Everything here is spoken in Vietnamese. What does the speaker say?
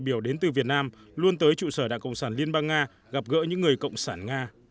biểu đến từ việt nam luôn tới trụ sở đảng cộng sản liên bang nga gặp gỡ những người cộng sản nga